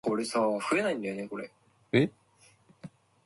He wrote four songs in this film.